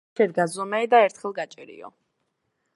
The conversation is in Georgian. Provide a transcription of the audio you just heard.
ასჯერ გაზომე და ერთხელ გაჭერიო.